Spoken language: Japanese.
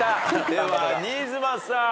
では新妻さん。